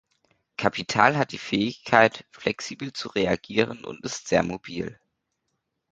Kapital hat die Fähigkeit, flexibel zu reagieren, und ist sehr mobil.